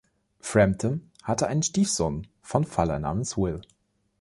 Frampton hatte einen Stiefsohn von Faller namens Will.